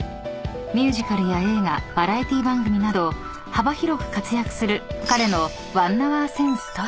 ［ミュージカルや映画バラエティー番組など幅広く活躍する彼の］